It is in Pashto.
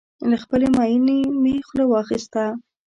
له خپلې ماينې مې خوله واخيسته